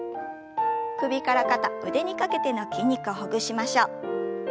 首から肩腕にかけての筋肉をほぐしましょう。